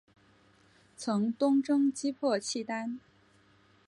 曾东征击破契丹。